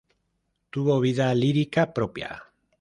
Tuvo vida lírica propia.